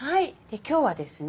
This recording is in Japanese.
今日はですね